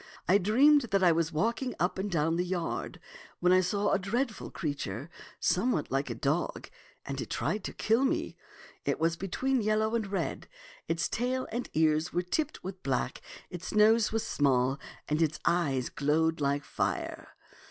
I dreamed that I was walking up and down the yard, when I saw a dreadful creature somewhat like a dog, and it tried to kill me. It was between yellow and red, its tail and ears were tipped with black, its nose was small, and its eyes glowed like fire.